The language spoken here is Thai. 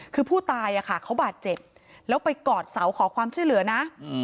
คือผู้ตายเขาบาดเจ็บแล้วไปกอดเสาขอความช่วยเหลือนะ